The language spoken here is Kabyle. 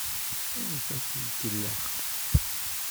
Amek ay ak-ikellex?